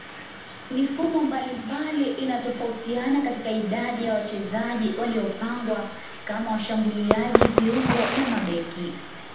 Mifumo mbalimbali inatofautiana katika idadi ya wachezaji waliopangwa kama washambuliaji viungo na mabeki